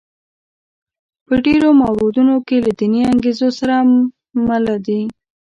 په ډېرو موردونو کې له دیني انګېزو سره مله دي.